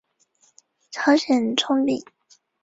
他于次年正式使用国王的称号。